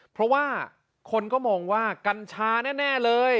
เพราะว่าคนก็มองว่ากัญชาแน่เลย